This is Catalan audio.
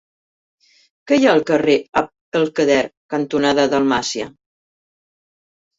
Què hi ha al carrer Abd el-Kader cantonada Dalmàcia?